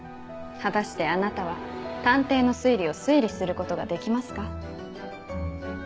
果たしてあなたは探偵の推理を推理することができますか？